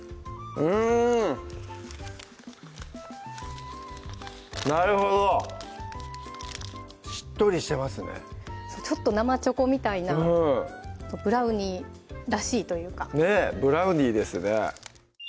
うんなるほどしっとりしてますねちょっと生チョコみたいなブラウニーらしいというかねぇブラウニーですね